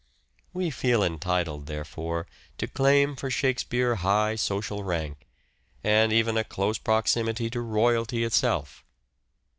We feel entitled, therefore, to claim for Shakespeare high social rank, and even a close proximity to royalty itself.